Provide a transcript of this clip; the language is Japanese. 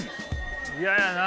嫌やな